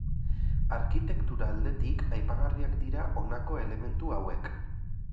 Arkitektura aldetik aipagarriak dira honako elementu hauek.